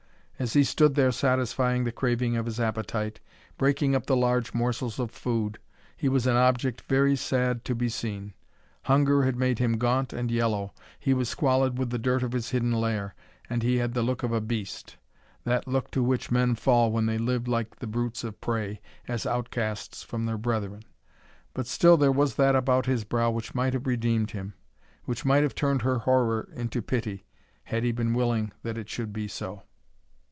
As he stood there satisfying the craving of his appetite, breaking up the large morsels of food, he was an object very sad to be seen. Hunger had made him gaunt and yellow, he was squalid with the dirt of his hidden lair, and he had the look of a beast;—that look to which men fall when they live like the brutes of prey, as outcasts from their brethren. But still there was that about his brow which might have redeemed him,—which might have turned her horror into pity, had he been willing that it should be so.